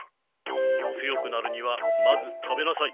強くなるにはまず食べなさい。